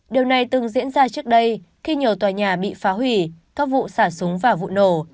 điều này từng diễn ra trước đây khi nhiều tòa nhà bị phá hủy các vụ xả súng và vụ nổ